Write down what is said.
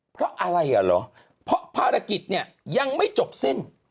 เพราะอะไรเหรอเพราะภารกิจยังไม่จบสิ้น